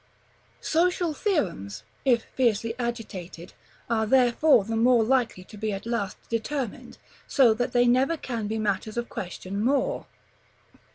Social theorems, if fiercely agitated, are therefore the more likely to be at last determined, so that they never can be matters of question more.